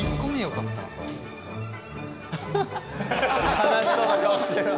悲しそうな顔してるわ。